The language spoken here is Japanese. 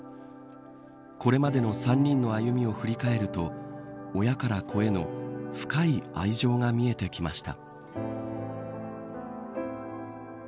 これまでの３人の歩みを振り返ると親から子への深い愛情が見えてきました。